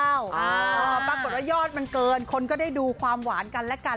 ปรากฏว่ายอดมันเกินคนก็ได้ดูความหวานกันและกัน